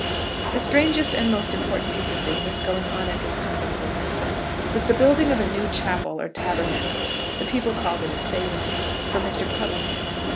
The strangest and most important piece of business going on at this time in Bullhampton was the building of a new chapel or tabernacle, the people called it a Salem, for Mr. Puddleham.